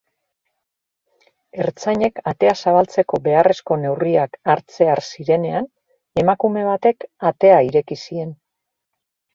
Ertzainek atea zabaltzeko beharrezko neurriak hartzear zirenean, emakume batek atea ireki zien.